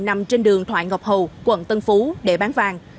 nằm trên đường thoại ngọc hầu quận tân phú để bán vàng